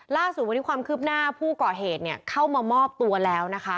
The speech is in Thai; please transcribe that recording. ล่าสุดวันนี้ความคืบหน้าผู้ก่อเหตุเข้ามามอบตัวแล้วนะคะ